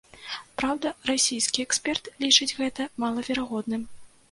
Праўда, расійскі эксперт лічыць гэта малаверагодным.